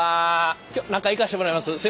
今日中行かしてもらいます。